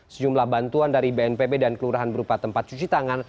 sejumlah bantuan dari bnpb dan kelurahan berupa tempat cuci tangan